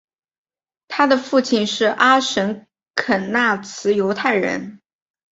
他的父亲是阿什肯纳兹犹太人。